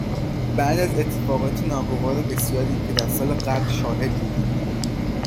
. بعد از اتفاقات ناگوار بسیاری که در سال قبل شاهد بودیم،